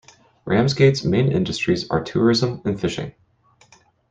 Ramsgate's main industries are tourism and fishing.